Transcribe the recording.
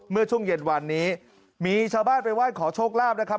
เมื่อช่วงเย็นวันนี้มีชาวบ้านไปไหว้ขอโชคลาภนะครับ